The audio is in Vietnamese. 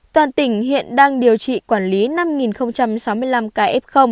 toàn tỉnh hiện đang điều trị quản lý năm sáu mươi năm ca f